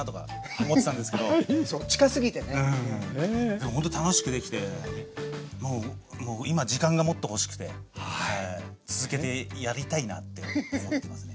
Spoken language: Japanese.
でもほんと楽しくできてもう今時間がもっと欲しくて続けてやりたいなって思ってますね。